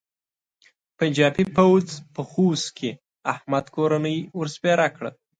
پنجاپي پوځ په خوست کې احمد کورنۍ ور سپېره کړه.